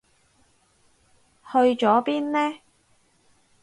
去咗邊呢？